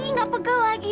ih gak pegel lagi